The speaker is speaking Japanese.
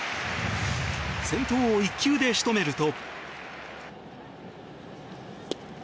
先頭を１球で仕留めると。